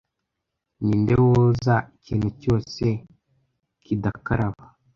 ninde woza ikintu cyose kidakaraba